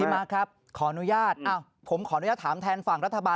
มาร์คครับขออนุญาตผมขออนุญาตถามแทนฝั่งรัฐบาล